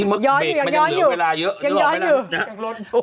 ยอมลดได้หรอรถยังไม่มาสิย้อนอยู่ย้อนอยู่ย้อนอยู่